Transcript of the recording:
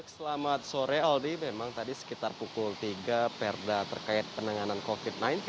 selamat sore aldi memang tadi sekitar pukul tiga perda terkait penanganan covid sembilan belas